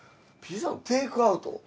ピザのテイクアウト？